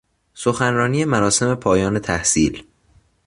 سخنرانی مراسم پایان تحصیل